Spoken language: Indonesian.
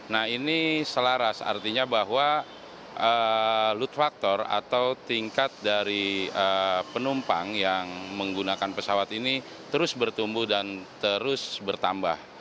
nah ini selaras artinya bahwa load factor atau tingkat dari penumpang yang menggunakan pesawat ini terus bertumbuh dan terus bertambah